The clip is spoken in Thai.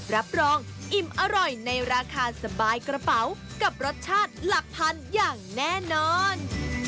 รับรองอิ่มอร่อยในราคาสบายกระเป๋ากับรสชาติหลักพันอย่างแน่นอน